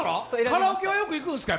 カラオケはよく行くんですか？